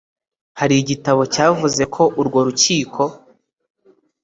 hari igitabo cyavuze ko urwo rukiko